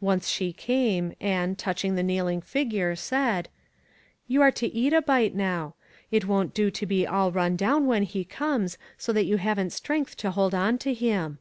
Once she came, and, touching the kneeling figure, said : 494 ONE COMMONPLACE DAY. "You are to eat a bite now. It won't do to be all run down when he comes, so that you haven't strength to hold on to him."